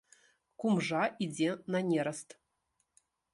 Кумжа ідзе на нераст!